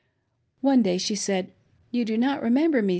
One day she said: "You do not remember me.